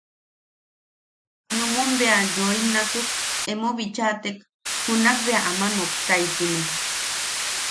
Numun bea yoim nasuk emo bichatek, junak bea a noktaitine.